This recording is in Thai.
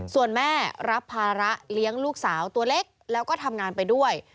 ส่วนแม่รับภาระเลี้ยงลูกสาวตัวเล็กแล้วก็ทำงานไปด้วย